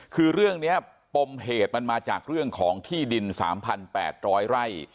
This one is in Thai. คือเรื่องนี้ปมเหตุมันมาจากเรื่องของที่ดิน๓๘๐๐ไร่